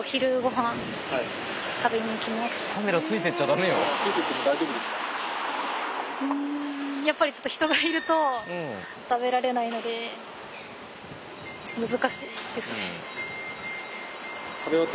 うんやっぱりちょっと人がいると食べられないので難しいですね。